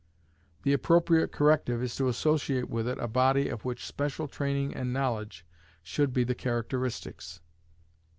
The appropriate corrective is to associate with it a body of which special training and knowledge should be the characteristics.